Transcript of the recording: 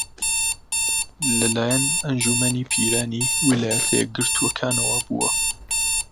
لەلایەن ئەنجوومەنی پیرانی ویلایەتە یەکگرتووەکانەوە بووە